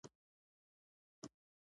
ژوند پر بل لټ اوښتی او کلی وران دی.